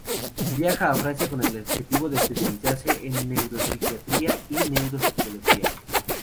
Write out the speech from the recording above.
Viaja a Francia con el objetivo de especializarse en neuropsiquiatría y neuropsicología.